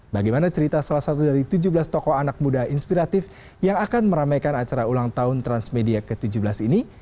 bagaimana cerita salah satu dari tujuh belas tokoh anak muda inspiratif yang akan meramaikan acara ulang tahun transmedia ke tujuh belas ini